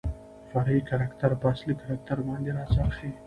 فرعي کرکتر په اصلي کرکتر باندې راڅرخي .